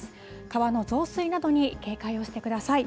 川の増水などに警戒をしてください。